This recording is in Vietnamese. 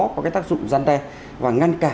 có cái tác dụng gian đe và ngăn cả